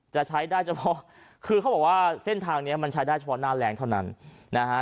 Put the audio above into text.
จะใช้ได้เฉพาะคือเขาบอกว่าเส้นทางนี้มันใช้ได้เฉพาะหน้าแรงเท่านั้นนะฮะ